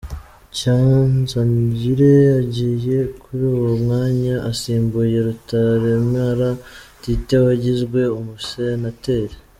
Cyanzayire agiye kuri uwo mwanya asimbuye Rutaremara Tite wagizwe Umusenateri.